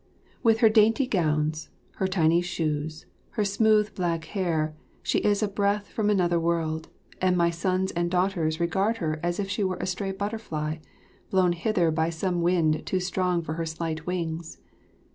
[Illustration: Mylady20.] With her dainty gowns, her tiny shoes, her smooth black hair, she is a breath from another world, and my sons and daughters regard her as if she were a stray butterfly, blown hither by some wind too strong for her slight wings.